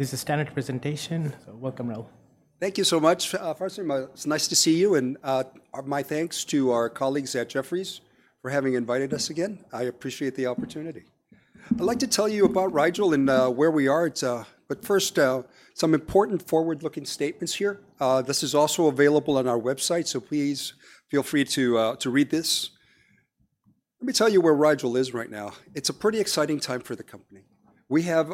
This is a standard presentation, so welcome, Raul. Thank you so much. First of all, it's nice to see you, and my thanks to our colleagues at Jefferies for having invited us again. I appreciate the opportunity. I'd like to tell you about Rigel and where we are. First, some important forward-looking statements here. This is also available on our website, so please feel free to read this. Let me tell you where Rigel is right now. It's a pretty exciting time for the company. We have,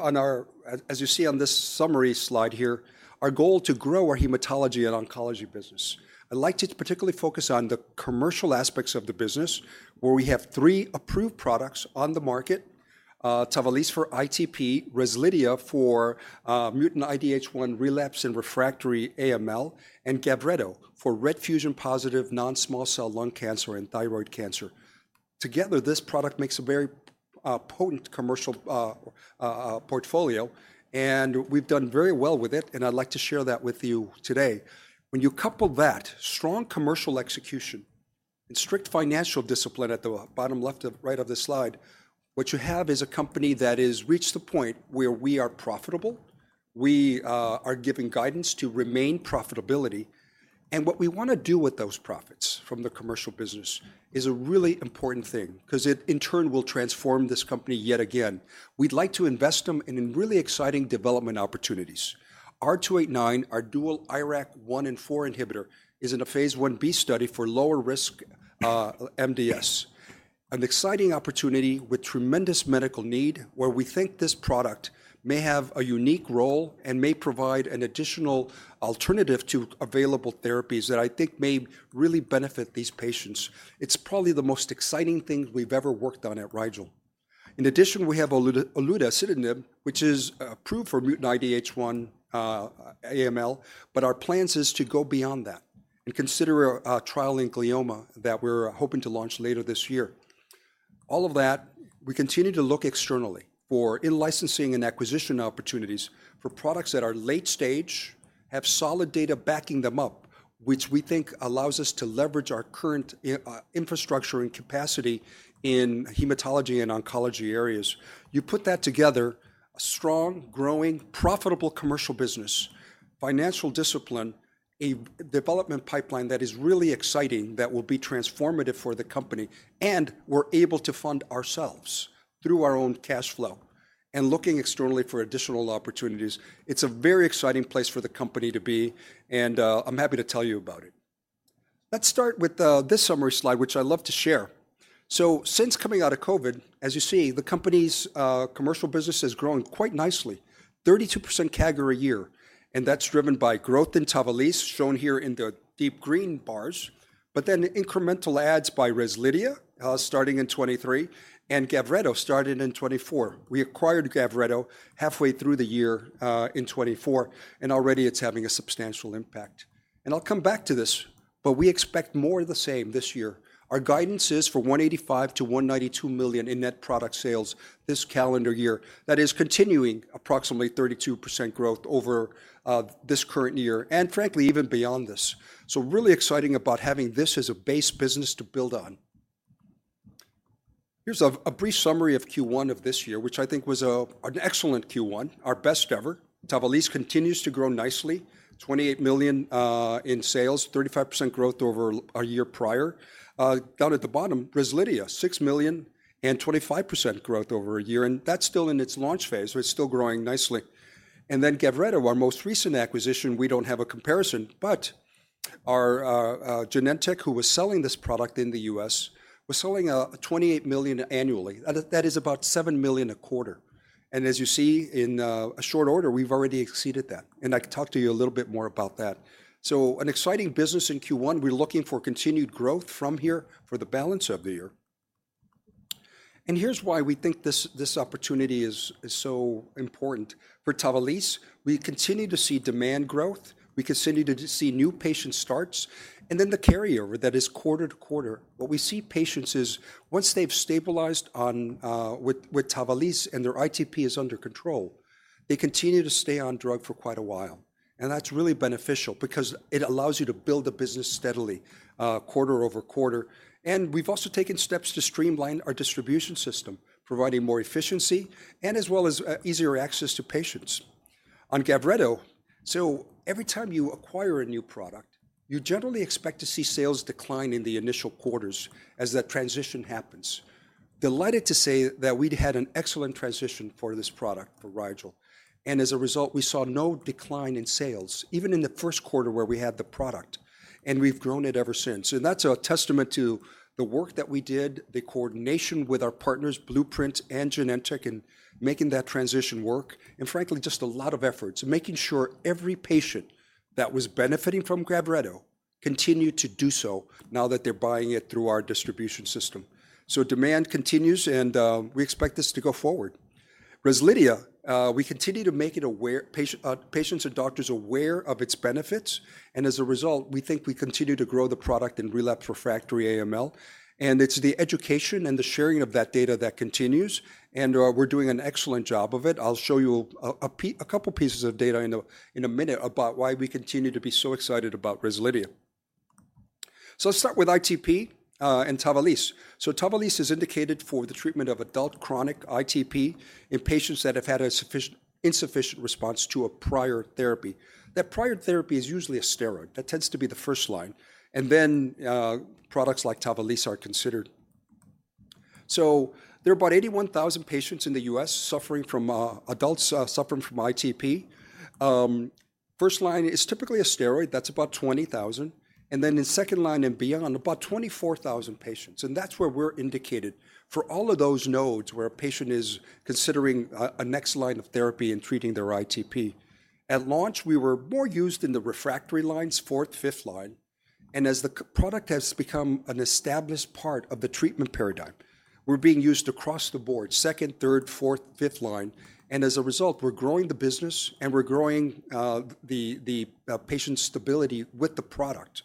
as you see on this summary slide here, our goal to grow our hematology and oncology business. I'd like to particularly focus on the commercial aspects of the business, where we have three approved products on the market: TAVALISSE for ITP, REZLIDHIA for mutant IDH1 relapse and refractory AML, and GAVRETO for RET fusion positive non-small cell lung cancer and thyroid cancer. Together, this product makes a very potent commercial portfolio, and we've done very well with it, and I'd like to share that with you today. When you couple that strong commercial execution and strict financial discipline at the bottom left to right of the slide, what you have is a company that has reached the point where we are profitable. We are giving guidance to remain profitability, and what we want to do with those profits from the commercial business is a really important thing because it, in turn, will transform this company yet again. We'd like to invest them in really exciting development opportunities. R289, our dual IRAK1/4 inhibitor, is in a phase I b study for lower-risk MDS. An exciting opportunity with tremendous medical need, where we think this product may have a unique role and may provide an additional alternative to available therapies that I think may really benefit these patients. It's probably the most exciting thing we've ever worked on at Rigel. In addition, we have olutasidenib, which is approved for mutant IDH1 AML, but our plans are to go beyond that and consider a trial in glioma that we're hoping to launch later this year. All of that, we continue to look externally for in-licensing and acquisition opportunities for products that are late stage, have solid data backing them up, which we think allows us to leverage our current infrastructure and capacity in hematology and oncology areas. You put that together: a strong, growing, profitable commercial business, financial discipline, a development pipeline that is really exciting that will be transformative for the company, and we're able to fund ourselves through our own cash flow and looking externally for additional opportunities. It's a very exciting place for the company to be, and I'm happy to tell you about it. Let's start with this summary slide, which I'd love to share. Since coming out of COVID, as you see, the company's commercial business has grown quite nicely: 32% CAGR a year, and that's driven by growth in TAVALISSE, shown here in the deep green bars, but then incremental adds by REZLIDHIA starting in 2023 and GAVRETO starting in 2024. We acquired GAVRETO halfway through the year in 2024, and already it's having a substantial impact. I'll come back to this, but we expect more of the same this year. Our guidance is for $185 -$192 million in net product sales this calendar year. That is continuing approximately 32% growth over this current year and, frankly, even beyond this. Really exciting about having this as a base business to build on. Here's a brief summary of Q1 of this year, which I think was an excellent Q1, our best ever. TAVALISSE continues to grow nicely: $28 million in sales, 35% growth over a year prior. Down at the bottom, REZLIDHIA, $6 million and 25% growth over a year, and that's still in its launch phase, but it's still growing nicely. Then GAVRETO, our most recent acquisition, we do not have a comparison, but Genentech, who was selling this product in the U.S., was selling $28 million annually. That is about $7 million a quarter. As you see, in a short order, we've already exceeded that, and I can talk to you a little bit more about that. An exciting business in Q1. We're looking for continued growth from here for the balance of the year. Here's why we think this opportunity is so important for TAVALISSE. We continue to see demand growth. We continue to see new patient starts. The carryover, that is quarter to quarter. What we see patients is, once they've stabilized with TAVALISSE and their ITP is under control, they continue to stay on drug for quite a while. That's really beneficial because it allows you to build a business steadily quarter-over-quarter. We've also taken steps to streamline our distribution system, providing more efficiency and as well as easier access to patients. On GAVRETO, every time you acquire a new product, you generally expect to see sales decline in the initial quarters as that transition happens. Delighted to say that we'd had an excellent transition for this product for Rigel. As a result, we saw no decline in sales, even in the first quarter where we had the product, and we've grown it ever since. That's a testament to the work that we did, the co-ordination with our partners, Blueprint and Genentech, in making that transition work, and frankly, just a lot of efforts in making sure every patient that was benefiting from GAVRETO continued to do so now that they're buying it through our distribution system. Demand continues, and we expect this to go forward. REZLIDHIA, we continue to make patients and doctors aware of its benefits, and as a result, we think we continue to grow the product in relapsed refractory AML. It is the education and the sharing of that data that continues, and we're doing an excellent job of it. I'll show you a couple pieces of data in a minute about why we continue to be so excited about REZLIDHIA. Let's start with ITP and TAVALISSE. TAVALISSE is indicated for the treatment of adult chronic ITP in patients that have had an insufficient response to a prior therapy. That prior therapy is usually a steroid. That tends to be the first line, and then products like TAVALISSE are considered. There are about 81,000 patients in the U.S. suffering from ITP. First line is typically a steroid. That's about 20,000. Then in second line and beyond, about 24,000 patients. That is where we are indicated for all of those nodes where a patient is considering a next line of therapy and treating their ITP. At launch, we were more used in the refractory lines, fourth, fifth line, and as the product has become an established part of the treatment paradigm, we are being used across the board: 2nd, 3rd, 4th, 5th, line. As a result, we are growing the business, and we are growing the patient stability with the product.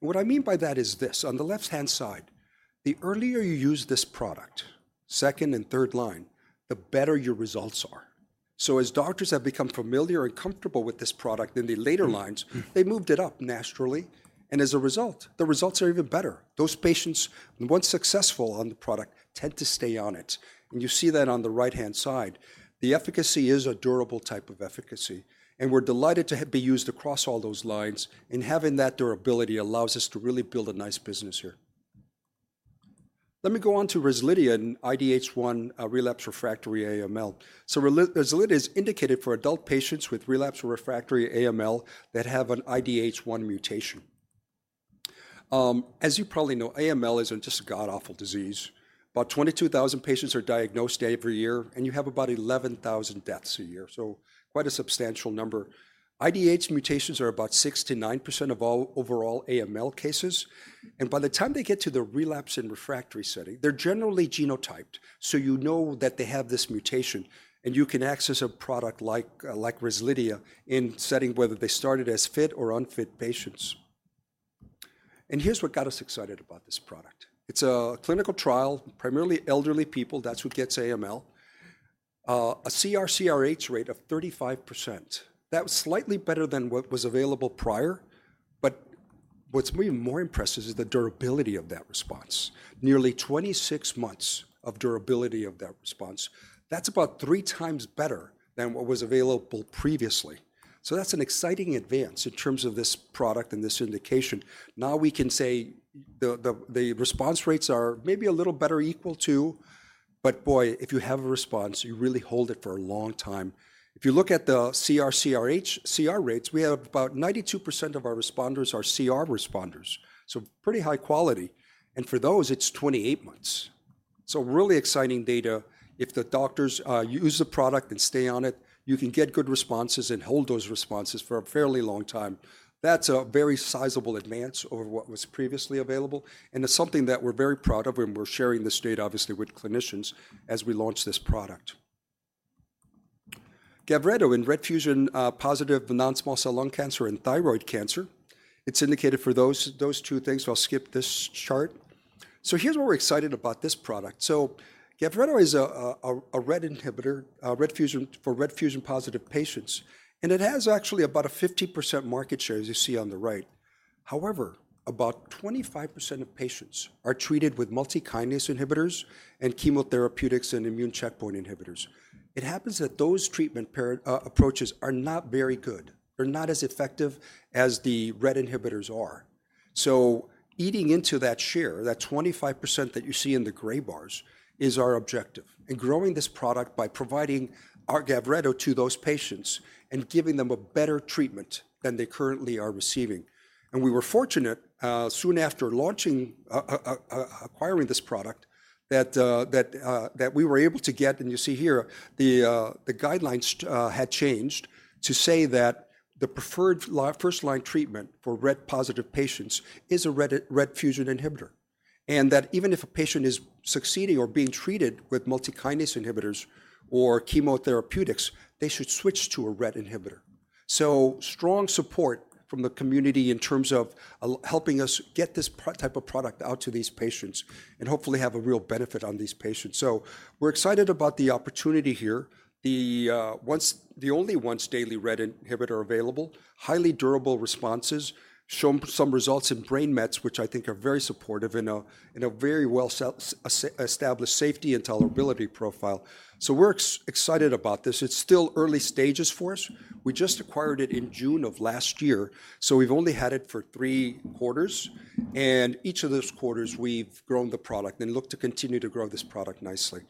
What I mean by that is this: on the left-hand side, the earlier you use this product, 2nd and 3rd line, the better your results are. As doctors have become familiar and comfortable with this product, in the later lines, they moved it up naturally, and as a result, the results are even better. Those patients once successful on the product tend to stay on it, and you see that on the right-hand side. The efficacy is a durable type of efficacy, and we're delighted to be used across all those lines, and having that durability allows us to really build a nice business here. Let me go on to REZLIDHIA and IDH1 relapse refractory AML. REZLIDHIA is indicated for adult patients with relapse refractory AML that have an IDH1 mutation. As you probably know, AML isn't just a god-awful disease. About 22,000 patients are diagnosed every year, and you have about 11,000 deaths a year, so quite a substantial number. IDH mutations are about 6-9% of all overall AML cases, and by the time they get to the relapse and refractory setting, they're generally genotyped, so you know that they have this mutation, and you can access a product like REZLIDHIA in setting whether they started as fit or unfit patients. Here's what got us excited about this product. It's a clinical trial, primarily elderly people. That's who gets AML. A CR+CRh rate of 35%. That was slightly better than what was available prior, but what's even more impressive is the durability of that response: nearly 26 months of durability of that response. That's about three times better than what was available previously. That's an exciting advance in terms of this product and this indication. Now we can say the response rates are maybe a little better equal to, but boy, if you have a response, you really hold it for a long time. If you look at the CR+CRh, CR rates, we have about 92% of our responders are CR responders, so pretty high quality. For those, it is 28 months. Really exciting data. If the doctors use the product and stay on it, you can get good responses and hold those responses for a fairly long time. That is a very sizable advance over what was previously available, and it is something that we are very proud of, and we are sharing this data, obviously, with clinicians as we launch this product. GAVRETO in RET fusion positive non-small cell lung cancer and thyroid cancer. It is indicated for those two things. I'll skip this chart. Here is what we are excited about this product. GAVRETO is a RET inhibitor for RET fusion positive patients, and it has actually about a 50% market share, as you see on the right. However, about 25% of patients are treated with multikinase inhibitors and chemotherapeutics and immune checkpoint inhibitors. It happens that those treatment approaches are not very good. They're not as effective as the RET inhibitors are. Eating into that share, that 25% that you see in the gray bars, is our objective in growing this product by providing our GAVRETO to those patients and giving them a better treatment than they currently are receiving. We were fortunate, soon after acquiring this product, that we were able to get, and you see here, the guidelines had changed to say that the preferred first-line treatment for RET-positive patients is a RET fusion inhibitor, and that even if a patient is succeeding or being treated with multikinase inhibitors or chemotherapeutics, they should switch to a RET inhibitor. Strong support from the community in terms of helping us get this type of product out to these patients and hopefully have a real benefit on these patients. We are excited about the opportunity here. The only once daily RET inhibitor available, highly durable responses, shown some results in brain mets, which I think are very supportive and a very well-established safety and tolerability profile. We are excited about this. It is still early stages for us. We just acquired it in June of last year, so we've only had it for three quarters, and each of those quarters, we've grown the product and look to continue to grow this product nicely.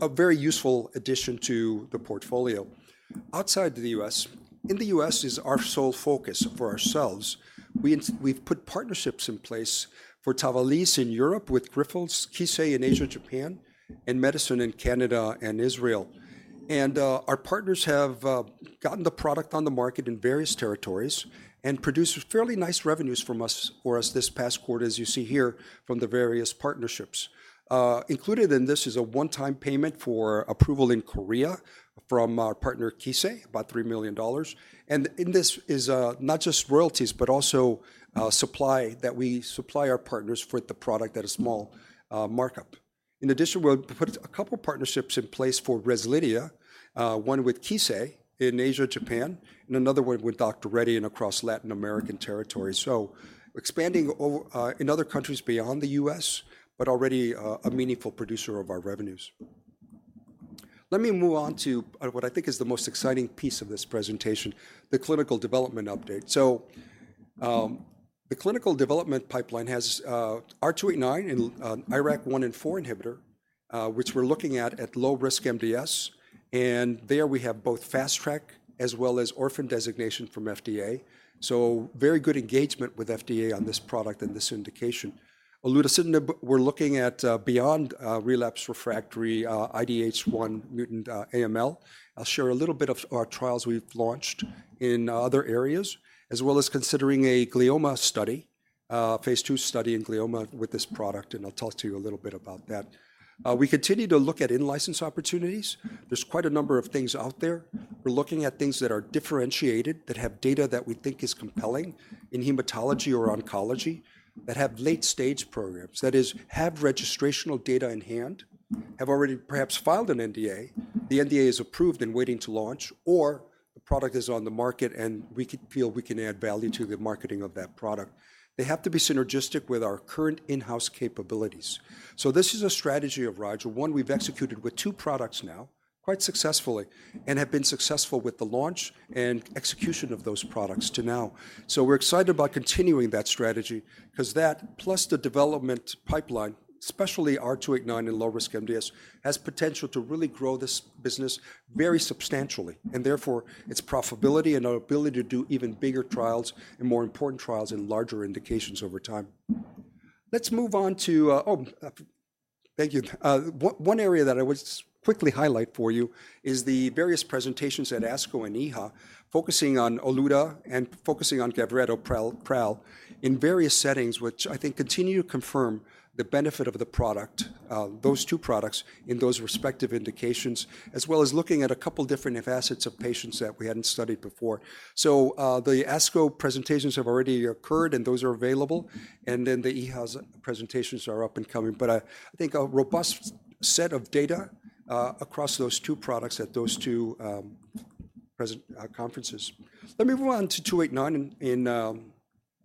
A very useful addition to the portfolio. Outside the U.S., in the U.S. is our sole focus for ourselves. We've put partnerships in place for TAVALISSE in Europe with Grifols, Kyowa Kirin in Asia-Japan, and Medison in Canada and Israel. Our partners have gotten the product on the market in various territories and produced fairly nice revenues for us this past quarter, as you see here, from the various partnerships. Included in this is a one-time payment for approval in Korea from our partner Kyowa Kirin, about $3 million. In this is not just royalties, but also supply that we supply our partners for the product at a small markup. In addition, we'll put a couple partnerships in place for REZLIDHIA, one with Kyowa Kirin in Asia-Japan and another one with Dr. Reddy's and across Latin American territory. Expanding in other countries beyond the U.S., but already a meaningful producer of our revenues. Let me move on to what I think is the most exciting piece of this presentation: the clinical development update. The clinical development pipeline has R289, an IRAK1/4 inhibitor, which we're looking at at low-risk MDS. There we have both fast track as well as orphan designation from FDA. Very good engagement with FDA on this product and this indication. Olutasidenib, we're looking at beyond relapsed refractory IDH1 mutant AML. I'll share a little bit of our trials we've launched in other areas, as well as considering a glioma study, phase II study in glioma with this product, and I'll talk to you a little bit about that. We continue to look at in-license opportunities. There's quite a number of things out there. We're looking at things that are differentiated, that have data that we think is compelling in hematology or oncology, that have late-stage programs, that is, have registrational data in hand, have already perhaps filed an NDA, the NDA is approved and waiting to launch, or the product is on the market and we feel we can add value to the marketing of that product. They have to be synergistic with our current in-house capabilities. This is a strategy of Rigel, one we've executed with two products now, quite successfully, and have been successful with the launch and execution of those products to now. We're excited about continuing that strategy because that, plus the development pipeline, especially R289 and low-risk MDS, has potential to really grow this business very substantially, and therefore its profitability and our ability to do even bigger trials and more important trials and larger indications over time. Let's move on to, oh, thank you. One area that I would quickly highlight for you is the various presentations at ASCO and EHA, focusing on oluta and focusing on GAVRETO PRAL in various settings, which I think continue to confirm the benefit of the product, those two products in those respective indications, as well as looking at a couple different assets of patients that we hadn't studied before. The ASCO presentations have already occurred, and those are available, and then the EHA's presentations are up and coming, but I think a robust set of data across those two products at those two conferences. Let me move on to 289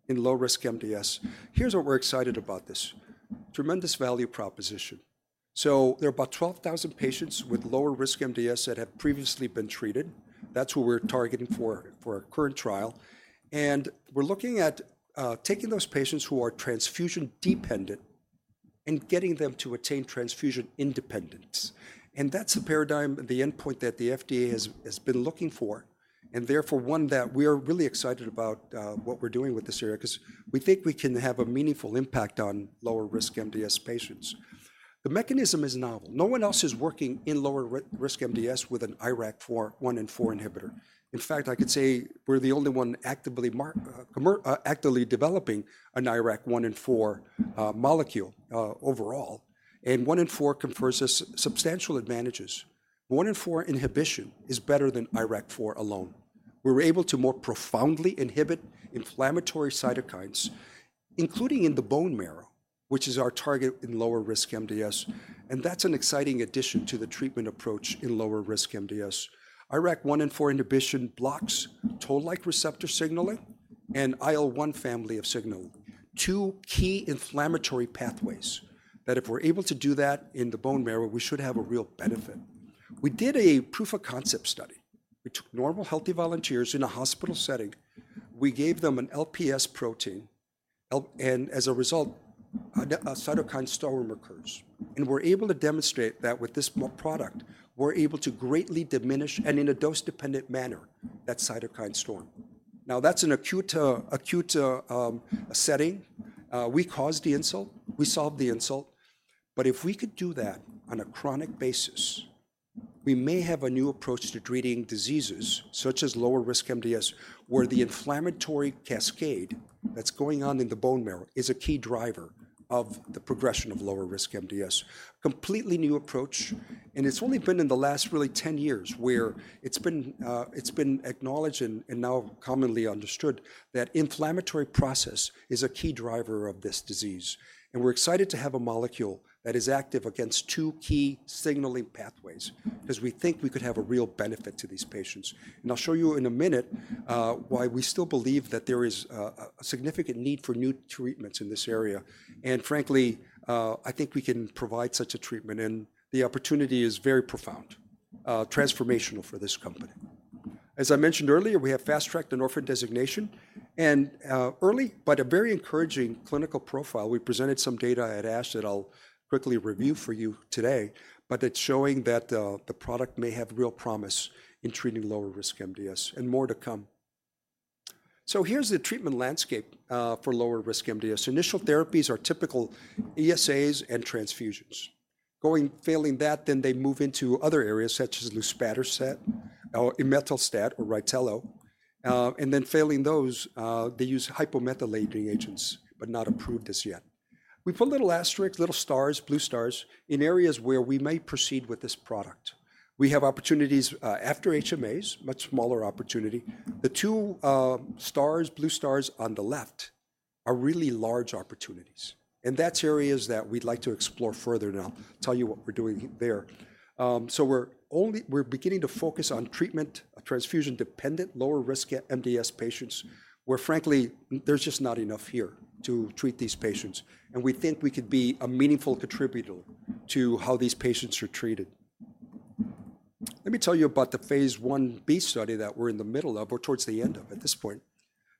in low-risk MDS. Here's what we're excited about this: tremendous value proposition. There are about 12,000 patients with lower-risk MDS that have previously been treated. That's who we're targeting for our current trial. We're looking at taking those patients who are transfusion dependent and getting them to attain transfusion independence. That's a paradigm, the endpoint that the FDA has been looking for, and therefore one that we are really excited about what we're doing with this area because we think we can have a meaningful impact on lower-risk MDS patients. The mechanism is novel. No one else is working in lower-risk MDS with an IRAK1 and IRAK4 inhibitor. In fact, I could say we're the only one actively developing an IRAK1 and IRAK4 molecule overall, and 1 and 4 confers us substantial advantages. 1 and 4 inhibition is better than IRAK4 alone. We were able to more profoundly inhibit inflammatory cytokines, including in the bone marrow, which is our target in lower-risk MDS, and that's an exciting addition to the treatment approach in lower-risk MDS. IRAK1 and 4 inhibition blocks toll-like receptor signaling and IL-1 family of signaling, two key inflammatory pathways that if we're able to do that in the bone marrow, we should have a real benefit. We did a proof of concept study. We took normal healthy volunteers in a hospital setting. We gave them an LPS protein, and as a result, a cytokine storm occurs. We are able to demonstrate that with this product, we are able to greatly diminish, and in a dose-dependent manner, that cytokine storm. That is an acute setting. We caused the insult. We solved the insult. If we could do that on a chronic basis, we may have a new approach to treating diseases such as lower-risk MDS, where the inflammatory cascade that is going on in the bone marrow is a key driver of the progression of lower-risk MDS. Completely new approach, and it has only been in the last really 10 years where it has been acknowledged and now commonly understood that inflammatory process is a key driver of this disease. We are excited to have a molecule that is active against two key signaling pathways because we think we could have a real benefit to these patients. I'll show you in a minute why we still believe that there is a significant need for new treatments in this area. Frankly, I think we can provide such a treatment, and the opportunity is very profound, transformational for this company. As I mentioned earlier, we have fast track and orphan designation and early, but a very encouraging clinical profile. We presented some data at ASH that I'll quickly review for you today, but it's showing that the product may have real promise in treating lower-risk MDS and more to come. Here's the treatment landscape for lower-risk MDS. Initial therapies are typical ESAs and transfusions. Failing that, then they move into other areas such as Luspatercept, imetelstat, or RYTELO, and then failing those, they use hypomethylating agents, but not approved as yet. We put little asterisks, little stars, blue stars in areas where we may proceed with this product. We have opportunities after HMAs, much smaller opportunity. The two stars, blue stars on the left are really large opportunities, and that's areas that we'd like to explore further, and I'll tell you what we're doing there. We're beginning to focus on treatment of transfusion-dependent lower-risk MDS patients where, frankly, there's just not enough here to treat these patients, and we think we could be a meaningful contributor to how these patients are treated. Let me tell you about the phase I B study that we're in the middle of or towards the end of at this point.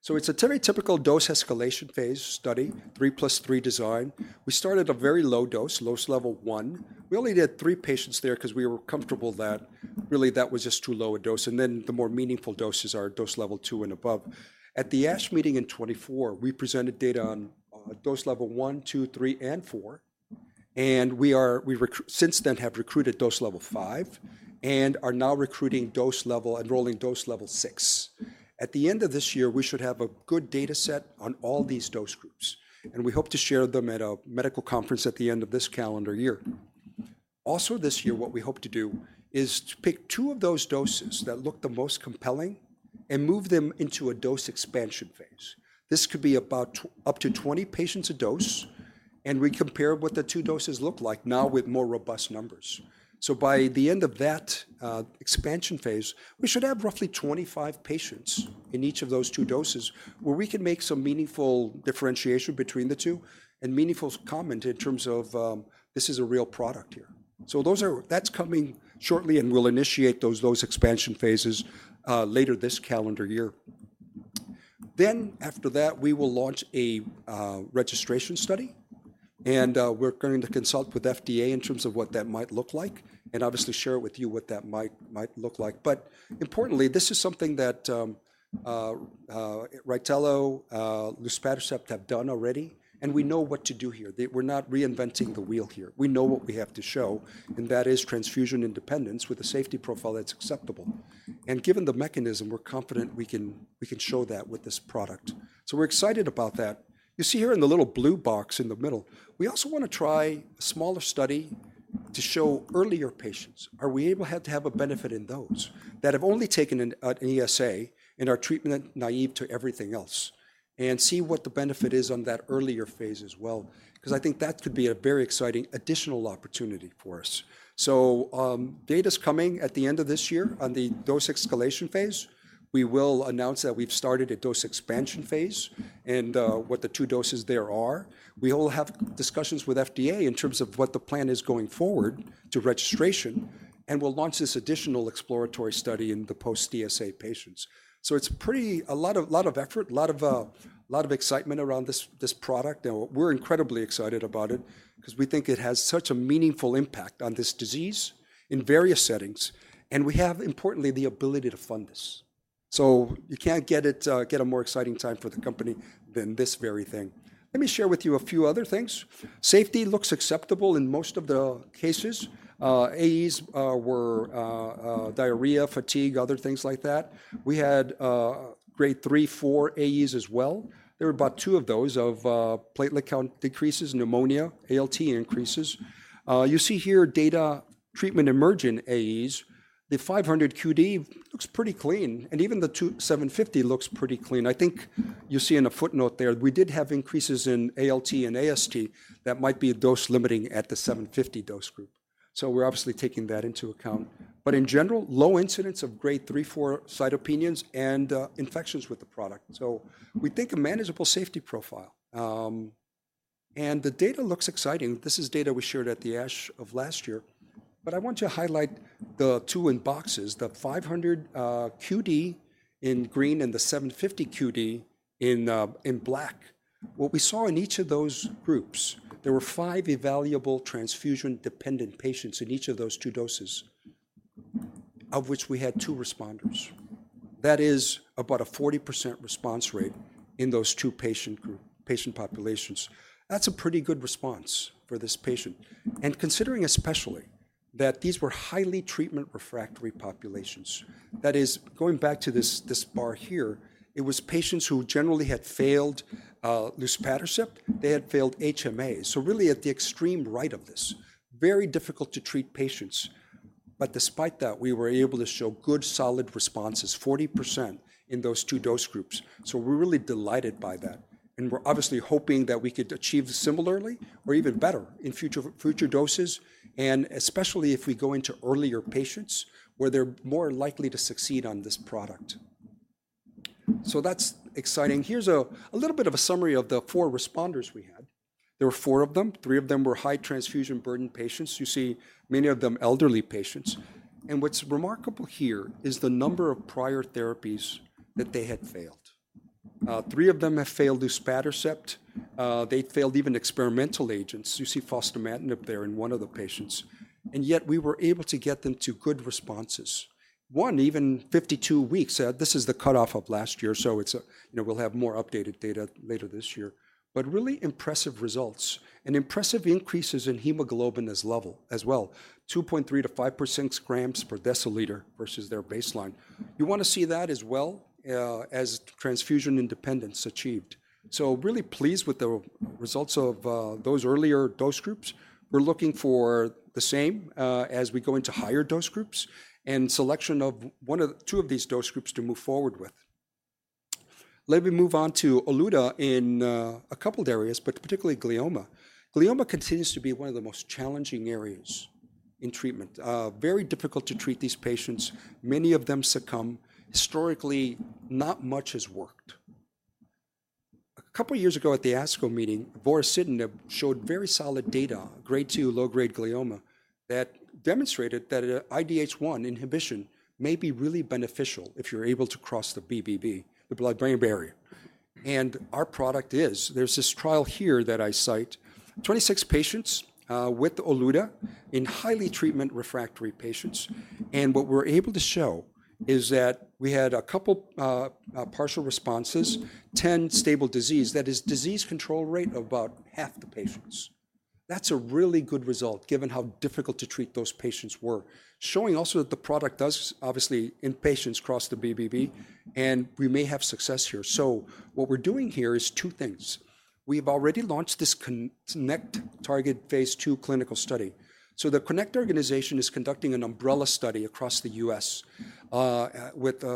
It's a very typical dose escalation phase study, three plus three design. We started at a very low dose, dose level one. We only did three patients there because we were comfortable that really that was just too low a dose, and then the more meaningful doses are dose level two and above. At the ASH meeting in 2024, we presented data on dose level 1,2,3, and 4, and we since then have recruited dose level 5 and are now recruiting dose level and enrolling dose level 6. At the end of this year, we should have a good data set on all these dose groups, and we hope to share them at a medical conference at the end of this calendar year. Also, this year, what we hope to do is to pick two of those doses that look the most compelling and move them into a dose expansion phase. This could be about up to 20 patients a dose, and we compare what the two doses look like now with more robust numbers. By the end of that expansion phase, we should have roughly 25 patients in each of those two doses where we can make some meaningful differentiation between the two and meaningful comment in terms of this is a real product here. That is coming shortly, and we will initiate those expansion phases later this calendar year. After that, we will launch a registration study, and we are going to consult with FDA in terms of what that might look like and obviously share with you what that might look like. Importantly, this is something that RYTELO, Luspatercept have done already, and we know what to do here. We are not reinventing the wheel here. We know what we have to show, and that is transfusion independence with a safety profile that's acceptable. Given the mechanism, we're confident we can show that with this product. We're excited about that. You see here in the little blue box in the middle, we also want to try a smaller study to show earlier patients. Are we able to have a benefit in those that have only taken an ESA and are treatment naive to everything else and see what the benefit is on that earlier phase as well? I think that could be a very exciting additional opportunity for us. Data's coming at the end of this year on the dose escalation phase. We will announce that we've started a dose expansion phase and what the two doses there are. We will have discussions with FDA in terms of what the plan is going forward to registration, and we'll launch this additional exploratory study in the post-DSA patients. It's pretty a lot of effort, a lot of excitement around this product, and we're incredibly excited about it because we think it has such a meaningful impact on this disease in various settings, and we have, importantly, the ability to fund this. You can't get a more exciting time for the company than this very thing. Let me share with you a few other things. Safety looks acceptable in most of the cases. AEs were diarrhea, fatigue, other things like that. We had grade 3, 4 AEs as well. There were about two of those of platelet count decreases, pneumonia, ALT increases. You see here data treatment emerging AEs. The 500 QD looks pretty clean, and even the 750 looks pretty clean. I think you see in a footnote there we did have increases in ALT and AST that might be dose limiting at the 750 dose group. We are obviously taking that into account. In general, low incidence of grade three, four cytopenias and infections with the product. We think a manageable safety profile. The data looks exciting. This is data we shared at the ASH of last year, but I want to highlight the two in boxes, the 500 QD in green and the 750 QD in black. What we saw in each of those groups, there were five evaluable transfusion-dependent patients in each of those two doses, of which we had two responders. That is about a 40% response rate in those two patient populations. That is a pretty good response for this patient. Considering especially that these were highly treatment refractory populations, that is, going back to this bar here, it was patients who generally had failed luspatercept. They had failed HMA. Really at the extreme right of this, very difficult to treat patients. Despite that, we were able to show good solid responses, 40% in those two dose groups. We're really delighted by that, and we're obviously hoping that we could achieve similarly or even better in future doses, especially if we go into earlier patients where they're more likely to succeed on this product. That's exciting. Here's a little bit of a summary of the four responders we had. There were four of them. Three of them were high transfusion burden patients. You see many of them elderly patients. What's remarkable here is the number of prior therapies that they had failed. Three of them have failed luspatercept. They failed even experimental agents. You see fostamatinib there in one of the patients. Yet we were able to get them to good responses. One, even 52 weeks. This is the cutoff of last year, so we'll have more updated data later this year. Really impressive results and impressive increases in hemoglobin as well, 2.3-5 g per deciliter versus their baseline. You want to see that as well as transfusion independence achieved. Really pleased with the results of those earlier dose groups. We're looking for the same as we go into higher dose groups and selection of two of these dose groups to move forward with. Let me move on to olutasidenib in a couple of areas, but particularly glioma. Glioma continues to be one of the most challenging areas in treatment. Very difficult to treat these patients. Many of them succumb. Historically, not much has worked. A couple of years ago at the ASCO meeting, vorasidenib showed very solid data, grade two, low-grade glioma that demonstrated that IDH1 inhibition may be really beneficial if you're able to cross the BBB, the blood-brain barrier. And our product is, there's this trial here that I cite, 26 patients with oluta in highly treatment refractory patients. And what we're able to show is that we had a couple of partial responses, 10 stable disease. That is, disease control rate of about half the patients. That's a really good result given how difficult to treat those patients were, showing also that the product does obviously in patients cross the BBB, and we may have success here. What we're doing here is two things. We've already launched this Connect target phase two clinical study. The Connect organization is conducting an umbrella study across the U.S.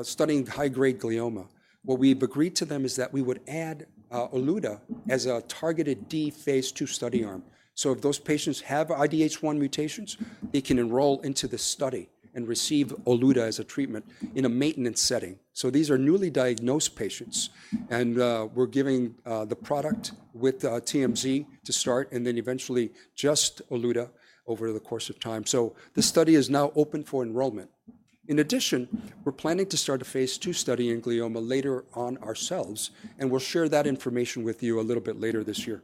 studying high-grade glioma. What we've agreed to with them is that we would add olutasidenib as a targeted phase two study arm. If those patients have IDH1 mutations, they can enroll into this study and receive olutasidenib as a treatment in a maintenance setting. These are newly diagnosed patients, and we're giving the product with TMZ to start and then eventually just olutasidenib over the course of time. This study is now open for enrollment. In addition, we're planning to start a phase two study in glioma later on ourselves, and we'll share that information with you a little bit later this year.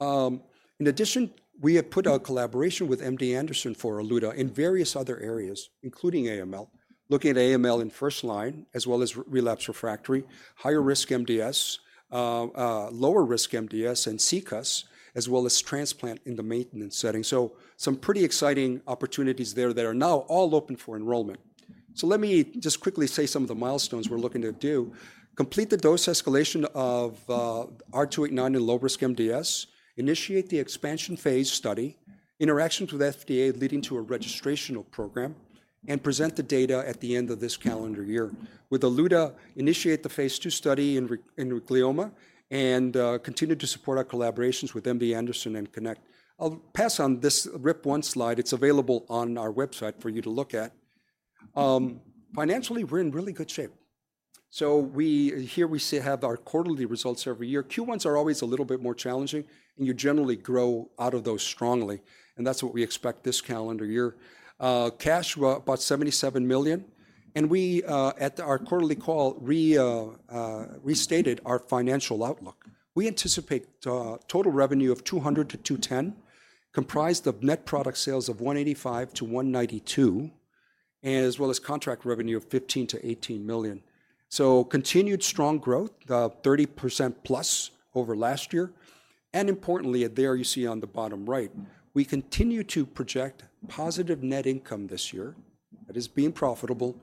In addition, we have put our collaboration with MD Anderson for olutasidenib in various other areas, including AML, looking at AML in first line as well as relapsed refractory, higher risk MDS, lower risk MDS, and CCUS, as well as transplant in the maintenance setting. Some pretty exciting opportunities there that are now all open for enrollment. Let me just quickly say some of the milestones we're looking to do: complete the dose escalation of R289 in lower-risk MDS, initiate the expansion phase study, interactions with FDA leading to a registrational program, and present the data at the end of this calendar year. With olutasidenib, initiate the phase two study in glioma and continue to support our collaborations with MD Anderson and Genentech. I'll pass on this R289 slide. It's available on our website for you to look at. Financially, we're in really good shape. Here we have our quarterly results every year. Q1s are always a little bit more challenging, and you generally grow out of those strongly, and that is what we expect this calendar year. Cash about $77 million, and we at our quarterly call restated our financial outlook. We anticipate total revenue of $200 million to $210 million, comprised of net product sales of $185 millionto $192 million, as well as contract revenue of $15 million to $18 million. Continued strong growth, 30% plus over last year. Importantly, there you see on the bottom right, we continue to project positive net income this year. That is being profitable,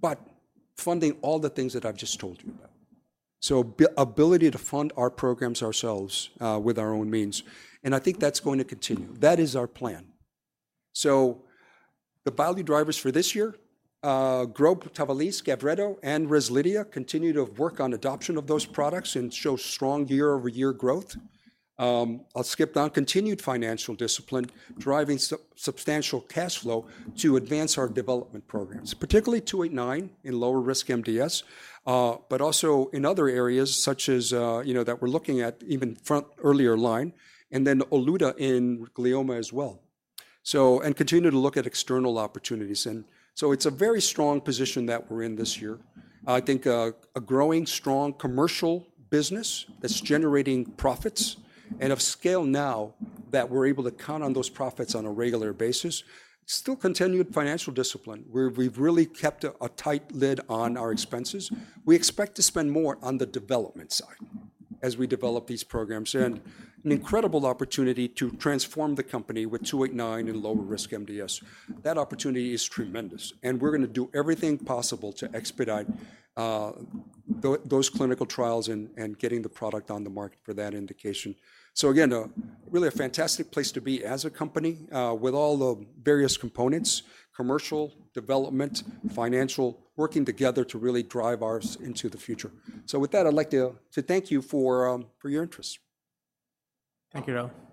but funding all the things that I have just told you about. Ability to fund our programs ourselves with our own means, and I think that is going to continue. That is our plan. The value drivers for this year, TAVALISSE, GAVRETO, and REZLIDHIA, continue to work on adoption of those products and show strong year-over-year growth. I'll skip down, continued financial discipline, driving substantial cash flow to advance our development programs, particularly R289 in lower-risk MDS, but also in other areas such as that we're looking at even front earlier line, and then oluta in glioma as well. Continue to look at external opportunities. It's a very strong position that we're in this year. I think a growing strong commercial business that's generating profits and of scale now that we're able to count on those profits on a regular basis. Still continued financial discipline. We've really kept a tight lid on our expenses. We expect to spend more on the development side as we develop these programs. An incredible opportunity to transform the company with 289 and lower-risk MDS. That opportunity is tremendous, and we're going to do everything possible to expedite those clinical trials and getting the product on the market for that indication. Again, really a fantastic place to be as a company with all the various components, commercial, development, financial, working together to really drive ours into the future. With that, I'd like to thank you for your interest. Thank you, Raul. Thank you.